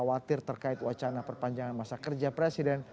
khawatir terkait wacana perpanjangan masa kerja presiden